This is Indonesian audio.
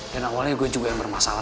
dan awalnya gue juga yang bermasalah